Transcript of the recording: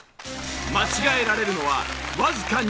間違えられるのはわずか２問。